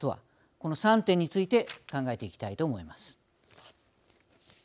この３点について考えていきたいと思います。